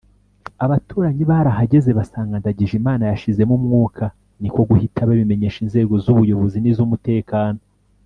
Abaturanyi barahageze basanga Ndagijimana yashizemo umwuka niko guhita babimenyesha inzego z’ ubuyobozi n’ iz’ umutekano